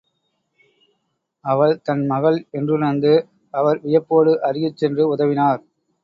அவள் தன் மகள் என்றுணர்ந்து, அவர் வியப்போடு அருகிற் சென்று உதவினார்.